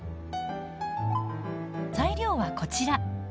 材料はこちら。